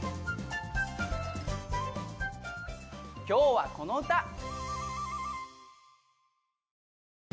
今日はこの歌。